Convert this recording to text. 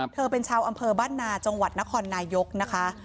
เธอเป็นชาวอำเภอบ้านนาจังหวัดนครนายกนะคะ